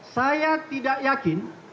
saya tidak yakin